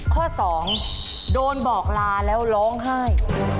ข้อ๒โดนบอกลาแล้วร้องไห้